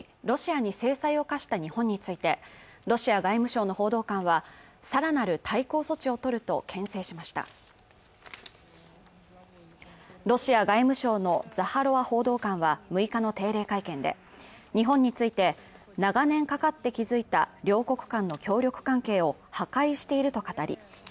ロシアに制裁を科した日本についてロシア外務省の報道官はさらなる対抗措置を取るとけん制しましたロシア外務省のザハロワ報道官は６日の定例会見で日本について長年かかって築いた両国間の協力関係を破壊していると語り